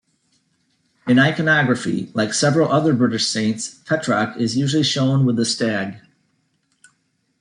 In iconography, like several other British saints, Petroc is usually shown with a stag.